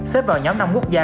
xếp vào nhóm năm quốc gia